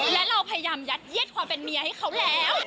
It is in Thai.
และเราพยายามยัดเย็ดความเป็นเมียให้เขาแล้ว